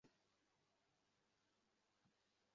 Sofa set বরাবর অথবা একটু কোণ করে ঝুলন্ত ঝাড়বাতি ব্যবহার করা যায়।